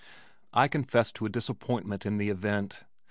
I confess to a disappointment in the event.